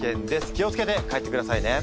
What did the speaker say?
気を付けて帰ってくださいね。